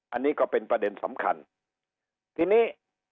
อันนี้ก็เป็นประเด็นสำคัญทีนี้